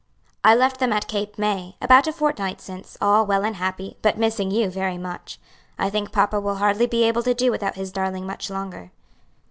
"I left them at Cape May, about a fortnight since, all well and happy, but missing you very much. I think papa will hardly be able to do without his darling much longer."